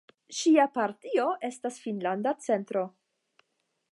Ŝia partio estas Finnlanda centro.